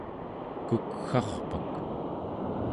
kukga'rpak